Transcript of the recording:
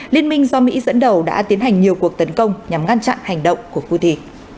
liên minh do mỹ dẫn đầu đã tiến hành nhiều cuộc tấn công nhằm ngăn chặn hành động của houthi